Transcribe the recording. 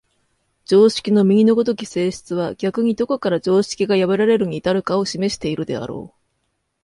常識の右の如き性質は逆にどこから常識が破られるに至るかを示しているであろう。